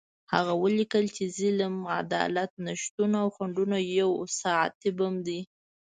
هغه ولیکل چې ظلم، عدالت نشتون او خنډونه یو ساعتي بم دی.